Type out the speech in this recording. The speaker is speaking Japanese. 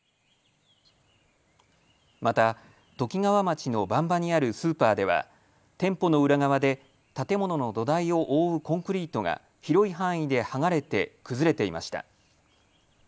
またときがわ町の馬場にあるスーパーでは店舗の裏側で建物の土台を覆うコンクリートが広い範囲で剥がれて崩れていました。